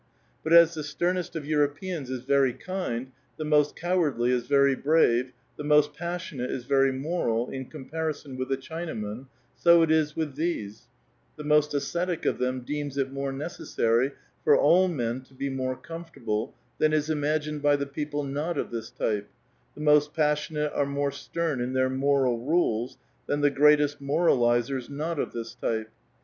But, as the sternest of Europeans is very kind, the most cowardly is very brave, the most passionate is very moral in comparison with the Chinaman, so it is with these ; the most ascetic of them deems it more necessary for all men to be more comfortable than is imagined by the people not of this type ; the most passionate are more stern in their moral rules than the great est moralizers not of this type.